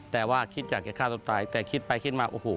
แต่ว่าคิดอยากจะฆ่าตัวตายแต่คิดไปคิดมาโอ้โห